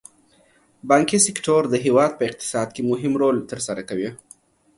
بانکي سکتور د هېواد په اقتصاد کې مهم رول تر سره کوي.